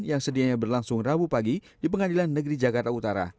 yang sedianya berlangsung rabu pagi di pengadilan negeri jakarta utara